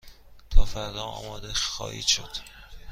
تا فردا آماده خواهد شد.